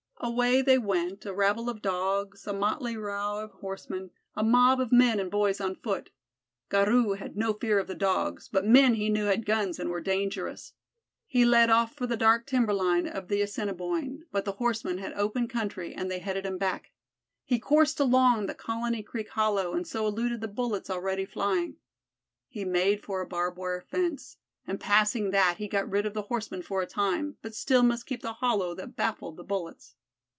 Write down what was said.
Away they went, a rabble of Dogs, a motley rout of horsemen, a mob of men and boys on foot. Garou had no fear of the Dogs, but men he knew had guns and were dangerous. He led off for the dark timber line of the Assiniboine, but the horsemen had open country and they headed him back. He coursed along the Colony Creek hollow and so eluded the bullets already flying. He made for a barb wire fence, and passing that he got rid of the horsemen for a time, but still must keep the hollow that baffled the bullets.